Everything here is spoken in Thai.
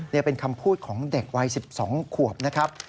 นี่เป็นคำพูดของเด็กวัย๑๒ขวบนะครับ